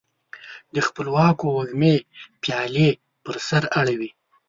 د خپلواکو وږمو پیالي پر سر اړوي